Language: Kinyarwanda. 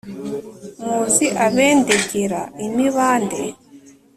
Muzi abendegera imibande